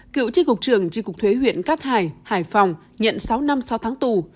cựu tri cục trường tri cục thuế huyện cát hải hải phòng nhận sáu năm sáu tháng tù